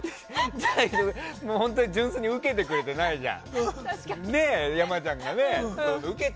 じゃあ、本当に純粋にウケてくれてないじゃん。